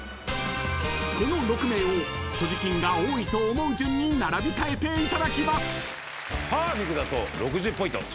［この６名を所持金が多いと思う順に並び替えていただきます］